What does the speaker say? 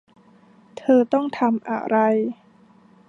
เธอต้องทำอะไร